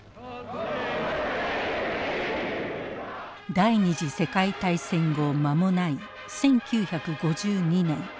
第２次世界大戦後間もない１９５２年。